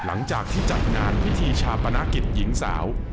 หลังจากที่จัดงานพิธีชาปนกิจหญิงสาว